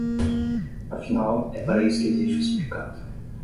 Afinal, é para isso que existe o sindicato.